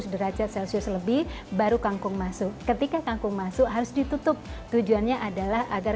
derajat celcius lebih baru kangkung masuk ketika kangkung masuk harus ditutup tujuannya adalah agar